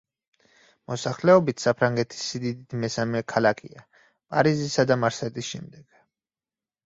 მოსახლეობით საფრანგეთის სიდიდით მესამე ქალაქია პარიზისა და მარსელის შემდეგ.